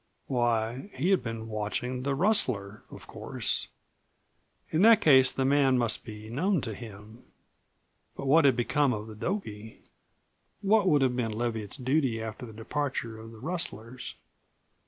Why, he had been watching the rustler, of course. In that case the man must be known to him. But what had become of the dogie? What would have been Leviatt's duty, after the departure of the rustlers?